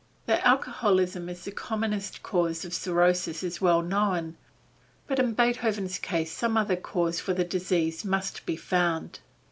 That alcoholism is the commonest cause of cirrhosis is well known, but in Beethoven's case some other cause for the disease must be found.